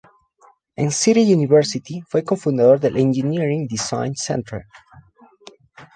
En City University fue cofundador del Engineering Design Centre.